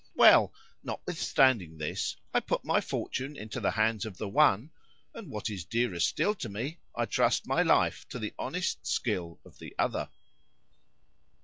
Well;—notwithstanding this, I put my fortune into the hands of the one:—and what is dearer still to me, I trust my life to the honest skill of the other.